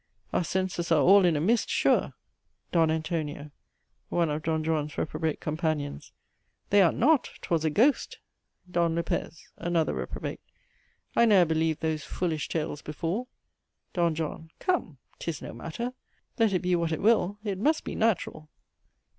Our senses are all in a mist sure. "D. ANTONIO. (one of D. Juan's reprobate companions.) They are not! 'Twas a ghost. "D. LOPEZ. (another reprobate.) I ne'er believed those foolish tales before. "D. JOHN. Come! 'Tis no matter. Let it be what it will, it must be natural.